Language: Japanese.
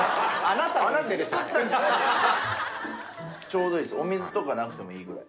ちょうどいいですお水とかなくてもいいぐらい。